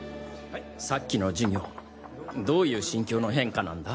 さっきの授業どういう心境の変化なんだ？